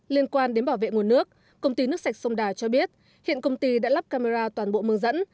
liên quan đến bảo vệ nguồn nước công ty nước sạch sông đà cho biết hiện công ty đã lắp camera toàn bộ mương dẫn